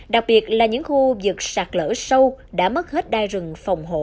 đặc biệt là những khu vực sạt lở sâu đã mất hết đai rừng phòng hộ